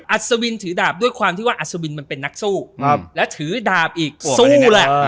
อัศวินถือดาบด้วยความที่ว่าอัศวินมันเป็นนักสู้แล้วถือดาบอีกสู้แหละ